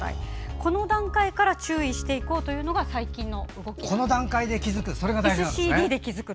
この段階から注意していこうというのが最近の動きなんです。